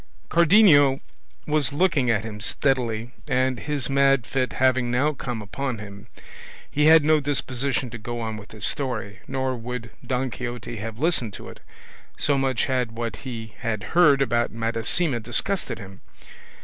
Cardenio was looking at him steadily, and his mad fit having now come upon him, he had no disposition to go on with his story, nor would Don Quixote have listened to it, so much had what he had heard about Madasima disgusted him.